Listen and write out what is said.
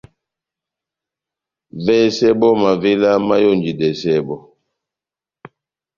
Vɛsɛ bɔ́ mavéla máyonjidɛsɛ bɔ́.